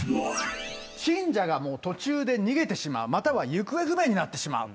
信者が途中で逃げてしまう、または行方不明になってしまう。